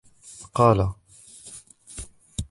قالَ: